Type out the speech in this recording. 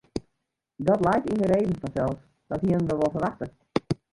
Dat leit yn de reden fansels, dat hienen we wol ferwachte.